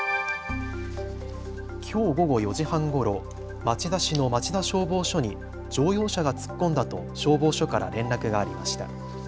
きょう午後４時半ごろ、町田市の町田消防署に乗用車が突っ込んだと消防署から連絡がありました。